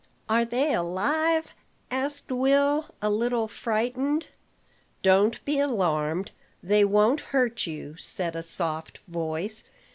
"Are they alive?" asked Will, a little frightened. "Don't be alarmed: they won't hurt you," said a soft voice.